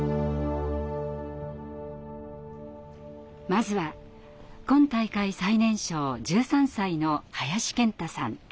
まずは今大会最年少１３歳の林健太さん。